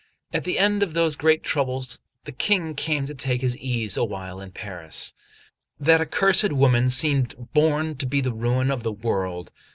At the end of those great troubles, the King came to take his ease awhile in Paris. That accursed woman seemed born to be the ruin of the world.